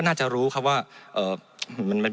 มันตรวจหาได้ระยะไกลตั้ง๗๐๐เมตรครับ